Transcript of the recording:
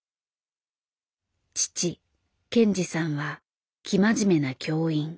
父憲司さんは生真面目な教員。